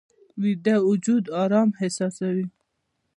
ویده وجود آرام احساسوي